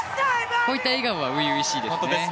こういった笑顔は初々しいですね。